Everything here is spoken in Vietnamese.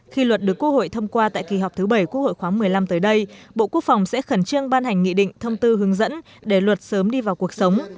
khi luật được quốc hội thông qua tại kỳ họp thứ bảy quốc hội khoáng một mươi năm tới đây bộ quốc phòng sẽ khẩn trương ban hành nghị định thông tư hướng dẫn để luật sớm đi vào cuộc sống